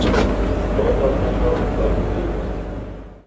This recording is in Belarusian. Скромна адзначаў і сваю дзейнасць.